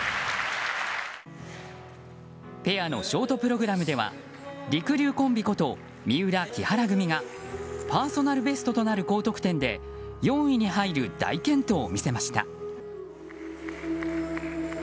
ペアのショートプログラムではりくりゅうコンビこと三浦、木原組がパーソナルベストとなる高得点で４位に入る大健闘を見せました。